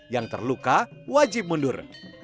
yang terluka wajib mundur